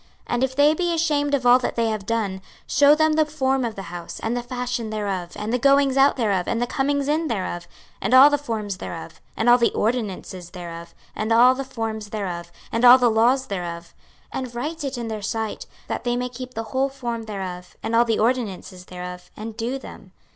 26:043:011 And if they be ashamed of all that they have done, shew them the form of the house, and the fashion thereof, and the goings out thereof, and the comings in thereof, and all the forms thereof, and all the ordinances thereof, and all the forms thereof, and all the laws thereof: and write it in their sight, that they may keep the whole form thereof, and all the ordinances thereof, and do them.